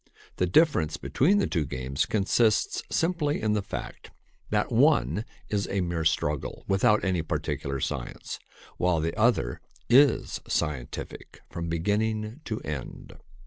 The difference between the two games consists simply in the fact that one is a mere struggle without any particular science, while the other is scientific from beginning to end.